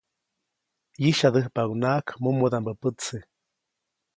ʼYisyadäjpaʼuŋnaʼak mumudaʼmbä pätse.